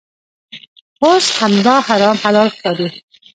اوس همدا حرام حلال ښکاري.